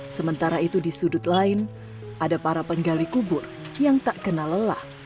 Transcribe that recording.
sementara itu di sudut lain ada para penggali kubur yang tak kenal lelah